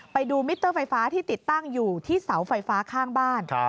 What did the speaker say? มิเตอร์ไฟฟ้าที่ติดตั้งอยู่ที่เสาไฟฟ้าข้างบ้าน